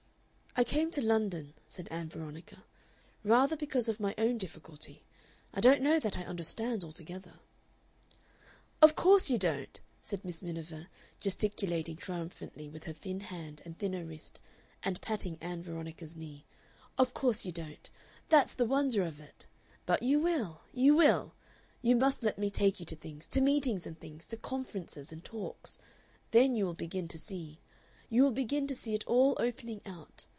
"I came to London," said Ann Veronica, "rather because of my own difficulty. I don't know that I understand altogether." "Of course you don't," said Miss Miniver, gesticulating triumphantly with her thin hand and thinner wrist, and patting Ann Veronica's knee. "Of course you don't. That's the wonder of it. But you will, you will. You must let me take you to things to meetings and things, to conferences and talks. Then you will begin to see. You will begin to see it all opening out.